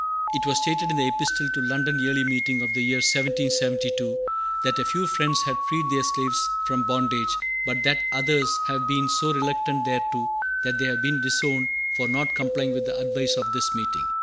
It was stated in the Epistle to London Yearly Meeting of the year 1772, that a few Friends had freed their slaves from bondage, but that others "have been so reluctant thereto that they have been disowned for not complying with the advice of this meeting."